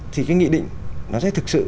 thì cái nghị định nó sẽ thực sự